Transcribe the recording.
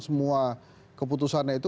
semua keputusannya itu